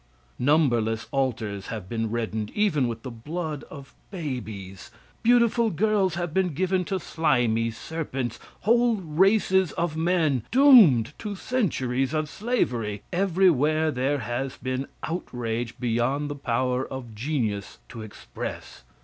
Numberless altars have been reddened, even with the blood of babies; beautiful girls have been given to slimy serpents; whole races of men doomed to centuries of slavery, everywhere there has been outrage beyond the power of genius to express.